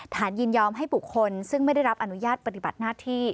ยินยอมให้บุคคลซึ่งไม่ได้รับอนุญาตปฏิบัติหน้าที่